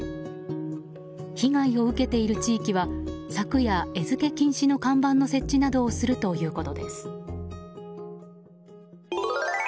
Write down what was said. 被害を受けている地域は柵や、餌付け禁止の看板の設置などをするということです。